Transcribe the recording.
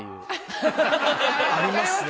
ありますね。